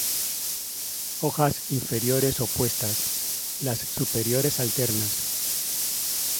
Hojas inferiores opuestas, las superiores alternas.